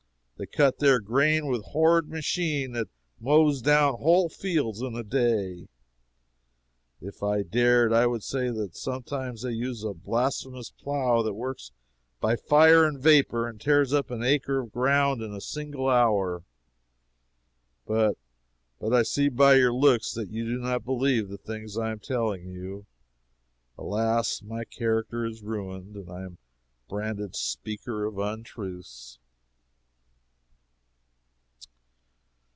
They cut their grain with a horrid machine that mows down whole fields in a day. If I dared, I would say that sometimes they use a blasphemous plow that works by fire and vapor and tears up an acre of ground in a single hour but but I see by your looks that you do not believe the things I am telling you. Alas, my character is ruined, and I am a branded speaker of untruths!"